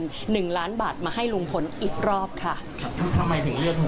ก็รู้สึกดีใจครับที่